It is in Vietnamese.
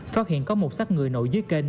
phát hiện có một sát người nội dưới kênh